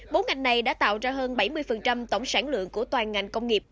bốn ngành này đã tạo ra hơn bảy mươi tổng sản lượng của toàn ngành công nghiệp